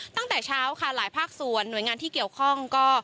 ตั้งแต่เช้าค่ะหลายภาคส่วนหน่วยงานที่เกี่ยวข้องก็